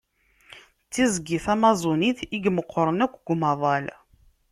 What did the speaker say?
D tiẓgi Tamaẓunit i imeqqren akk deg umaḍal.